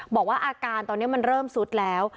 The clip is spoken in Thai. บอกว่าอาการตอนนี้มันเริ่มสุดแล้ว